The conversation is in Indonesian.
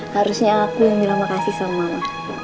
harusnya aku yang bilang makasih sama